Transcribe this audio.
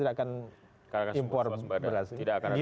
tidak akan impor berhasil tidak akan impor